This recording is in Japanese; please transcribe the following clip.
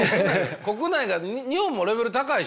国内が日本もレベル高いでしょ？